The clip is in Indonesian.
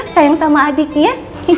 sayang sama adiknya